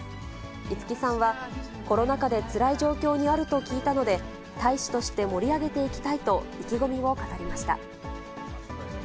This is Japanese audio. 五木さんは、コロナ禍でつらい状況にあると聞いたので、大使として盛り上げていきたいと、意気込みを語りました。